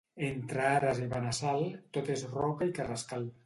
Entre Ares i Benassal, tot és roca i carrascal.